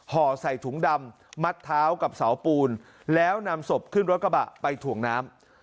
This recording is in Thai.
ห่อใส่ถุงดำมัดเท้ากับเสาปูนแล้วนำศพขึ้นรถกระบะไปถ่วงน้ำ